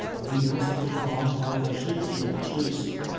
We must decline either treaty or truce.